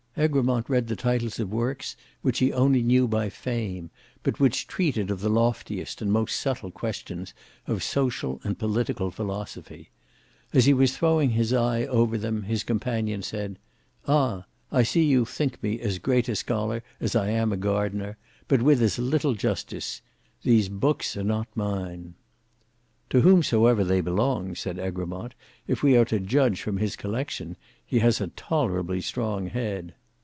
Egremont read the titles of works which he only knew by fame, but which treated of the loftiest and most subtle questions of social and political philosophy. As he was throwing his eye over them, his companion said, "Ah! I see you think me as great a scholar as I am a gardener: but with as little justice; these hooks are not mine." "To whomsoever they belong," said Egremont, "if we are to judge from his collection, he has a tolerably strong head."